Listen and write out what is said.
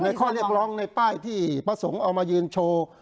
ข้อเรียกร้องในป้ายที่พระสงฆ์เอามายืนโชว์